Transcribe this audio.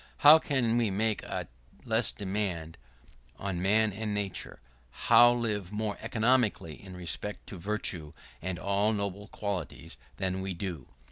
How can we make a less demand on man and nature, how live more economically in respect to virtue and all noble qualities, than we do?